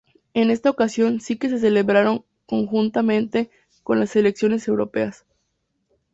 En esta ocasión sí que se celebraron conjuntamente con las elecciones europeas.